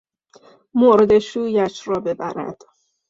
مرده شویش ببرد!